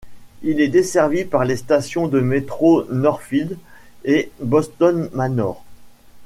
Il est desservi par les stations de métro Northfields et Boston Manor.